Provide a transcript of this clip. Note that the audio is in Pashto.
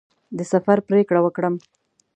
د سفر پرېکړه وکړم.